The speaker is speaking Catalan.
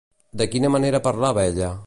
De quina manera parlava ella?